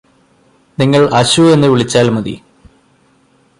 നിങ്ങള് അശു എന്നുവിളിച്ചാൽ മതി